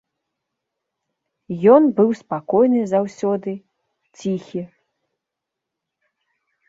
Ён быў спакойны заўсёды, ціхі.